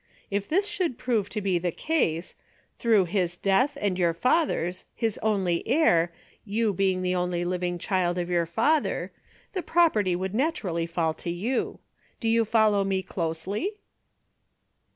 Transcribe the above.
If this should prove to be the case, through his death and your father's, his only heir, you being the only living child, of your father, the property would naturally fall to you. Do you follow me closely